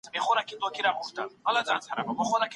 پخوا د مرييانو او مينځيانو سيسټم موجود وو.